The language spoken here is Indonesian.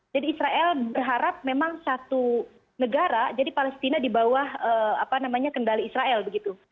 jadi israel berharap memang satu negara jadi palestina di bawah kendali israel begitu